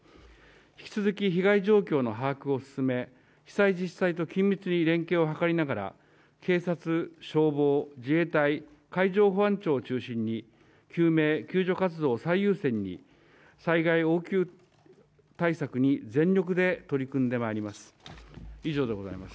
引き続き被害状況の把握を進め被災自治体と緊密に連携を図りながら警察、消防、自衛隊海上保安庁を中心に救命・救助活動を最優先に災害・応急対策に全力で取り組んでまいります。